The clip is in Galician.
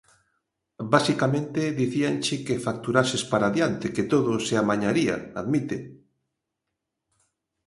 Basicamente dicíanche que facturases para adiante, que todo se amañaría, admite.